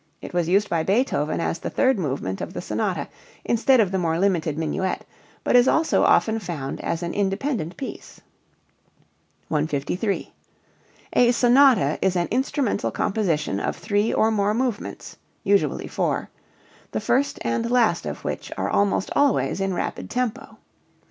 It was used by Beethoven as the third movement of the sonata instead of the more limited minuet, but is also often found as an independent piece. 153. A sonata is an instrumental composition of three or more movements (usually four), the first and last of which are almost always in rapid tempo.